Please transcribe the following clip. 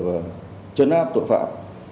và chấn áp tội phạm